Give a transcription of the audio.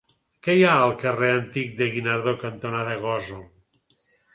Què hi ha al carrer Antic del Guinardó cantonada Gósol?